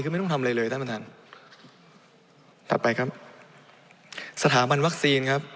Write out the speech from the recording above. ก็ไม่ต้องทำเลยเลยนะครับประธานต่อไปครับสถาบันวัคซีนครับ